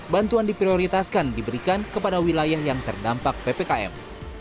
bantuan diprioritaskan diberikan kepada wilayah yang terdampak ppkm